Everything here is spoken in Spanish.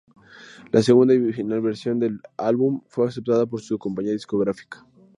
La segunda y final versión del álbum fue aceptada por su compañía discográfica.